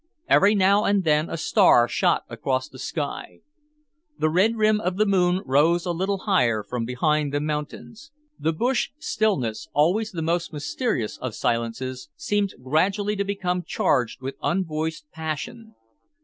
Every now and then a star shot across the sky. The red rim of the moon rose a little higher from behind the mountains. The bush stillness, always the most mysterious of silences, seemed gradually to become charged with unvoiced passion.